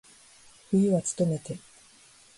冬はつとめて。